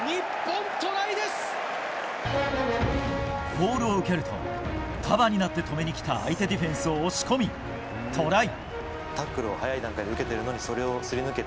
ボールを受けると束になって止めにきた相手ディフェンスを押し込みトライ。